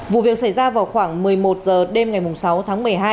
vụ việc xảy ra vào khoảng một mươi một h đêm ngày sáu tháng một mươi hai